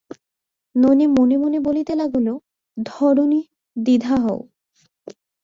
ননি মনে মনে বলিতে লাগিল, ধরণী, দ্বিধা হও।